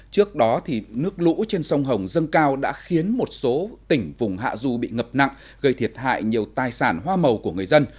trước đó nước lũ trên sông hồng dâng cao đã khiến một số tỉnh vùng hạ du bị ngập nặng gây thiệt hại nhiều tài sản hoa màu của người dân